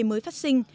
mới phát sinh